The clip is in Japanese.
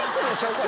これ。